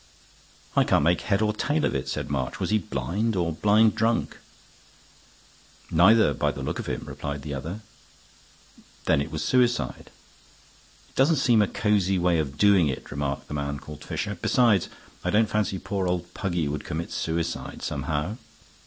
"I can't make head or tail of it," said March. "Was he blind? Or blind drunk?" "Neither, by the look of him," replied the other. "Then it was suicide." "It doesn't seem a cozy way of doing it," remarked the man called Fisher. "Besides, I don't fancy poor old Puggy would commit suicide, somehow."